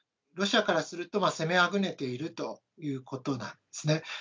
ロシアからすると攻めあぐねているということなんですね。